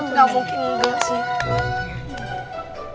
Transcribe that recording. ah gak mungkin engga sih